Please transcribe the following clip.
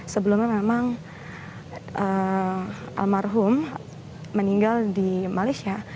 sebelumnya memang almarhum meninggal di malaysia